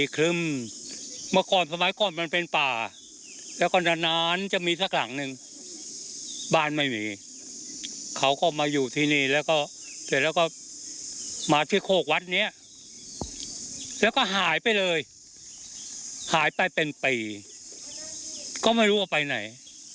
ก็ไม่รู้ว่าไปไหน